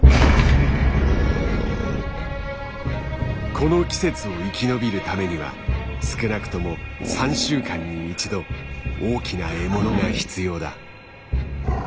この季節を生き延びるためには少なくとも３週間に一度大きな獲物が必要だ。